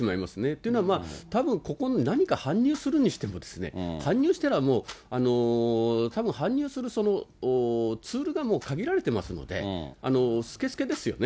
というのは、たぶん、ここに何か搬入するにしてもですね、搬入したらもう、たぶん、搬入するツールがもう限られてますので、すけすけですよね。